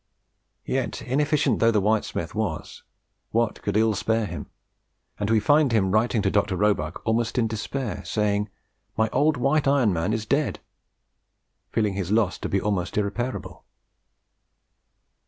Yet, inefficient though the whitesmith was, Watt could ill spare him, and we find him writing to Dr. Roebuck almost in despair, saying, "My old white iron man is dead!" feeling his loss to be almost irreparable.